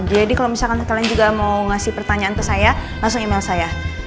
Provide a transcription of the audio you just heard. jadi kalau misalkan kalian juga mau ngasih pertanyaan ke saya langsung email saya